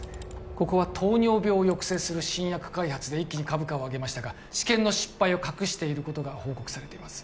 ここは糖尿病を抑制する新薬開発で一気に株価を上げましたが治験の失敗を隠していることが報告されています